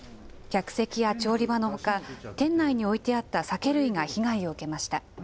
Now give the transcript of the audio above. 客席や調理場のほか、店内に置いてあった酒類が被害を受けました。